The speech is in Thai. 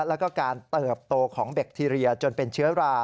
แล้วก็การเติบโตของแบคทีเรียจนเป็นเชื้อรา